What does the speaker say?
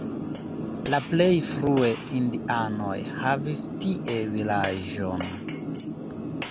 La plej frue indianoj havis tie vilaĝon.